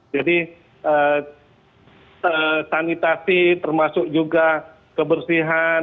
jadi sanitasi termasuk juga kebersihan